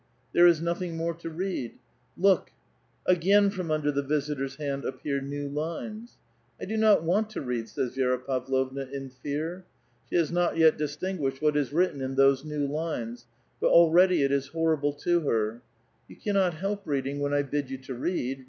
" There is nothing more to read." '' Look 1 " Again from under the visitor's hand appear new lines. "1 do not want to read,*^ says Vi6ra Pavlovna, in fear. She has not yet distinguished what is written in those new lines, but already it is horrible to her. " You cannot help reading, when I bid you to read.